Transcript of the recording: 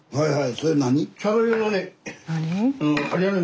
それ何？